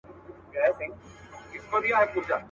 یو سپین ږیری وو ناروغه له کلونو.